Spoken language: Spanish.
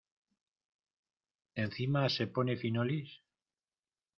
¿ encima se pone finolis?